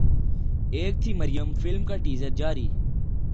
ایک تھی مریم فلم کا ٹیزر جاری